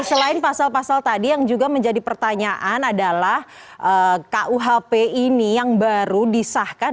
selain pasal pasal tadi yang juga menjadi pertanyaan adalah kuhp ini yang baru disahkan